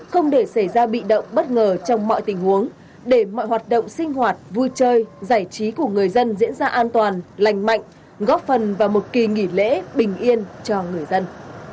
không để xảy ra bị động bất ngờ trong mọi tình huống để mọi hoạt động sinh hoạt vui chơi giải trí của người dân diễn ra an toàn lành mạnh góp phần vào một kỳ nghỉ lễ bình yên cho người dân